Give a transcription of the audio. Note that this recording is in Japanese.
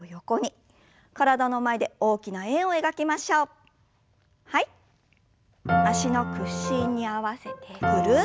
脚の屈伸に合わせてぐるっと。